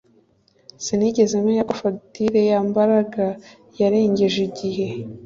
Sinigeze menya ko fagitire ya Mbaraga yarengeje igihe